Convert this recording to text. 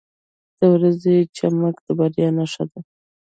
• د ورځې چمک د بریا نښه ده.